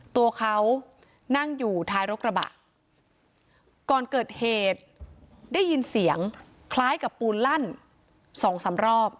ตัวเขานั่งอยู่ท้ายรถกระบะก่อนเกิดเหตุได้ยินเสียงคล้ายกับปูนลั่นสองสามรอบ